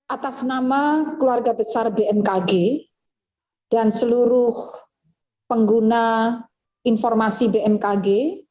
atas nama keluarga besar bmkg dan seluruh pengguna informasi bmkg